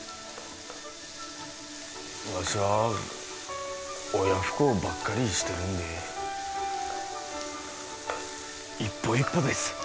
わしは親不孝ばっかりしてるんで一歩一歩です